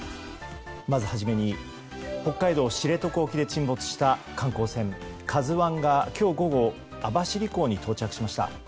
まず初めに、北海道知床沖で沈没した観光船「ＫＡＺＵ１」が今日午後網走港に到着しました。